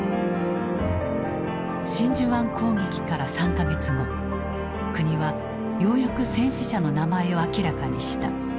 真珠湾攻撃から３か月後国はようやく戦死者の名前を明らかにした。